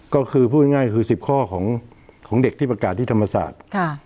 ก็คือพูดง่ายคือ๑๐ข้อของเด็กที่ประกาศที่ธรรมศาสตร์